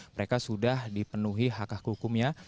mereka sudah dipenuhi hak hak hukumnya